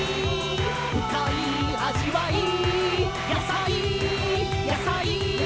「ふかいあじわい」「」「やさい」「」「やさい」「」